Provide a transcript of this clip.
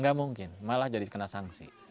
gak mungkin malah jadi kena sanksi